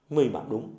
mình bảo đúng